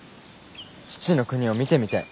父の国を見てみたい。